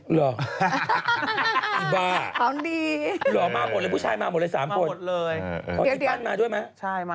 เหรออีบ้าของดีเหรอมาหมดเลยผู้ชายมาหมดเลยสามคนมาหมดเลยเดี๋ยวเดี๋ยวพี่ปั้นมาด้วยไหม